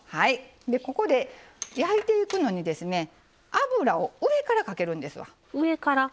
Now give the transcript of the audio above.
ここで、焼いていくのに油を上からかけるんですわ。